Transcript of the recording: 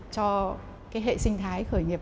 cho cái hệ sinh thái khởi nghiệp